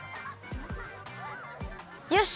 よし！